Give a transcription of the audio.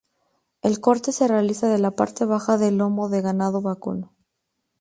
El corte se realiza de la parte baja del lomo de ganado vacuno.